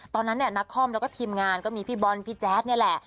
ตอนนั้นเนี่ยนักคอมแล้วก็ทีมงานก็มีพี่บอลพี่แจ๊ดนี่แหละ